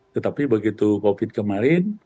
tetapi begitu covid kemarin